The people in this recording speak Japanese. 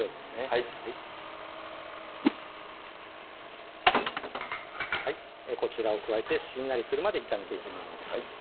はいこちらを加えてしんなりするまで炒めていきます